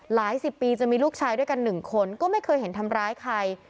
หลายสิบปีจะมีลูกชายด้วยกันหนึ่งคนก็ไม่เคยเห็นทำร้ายใคร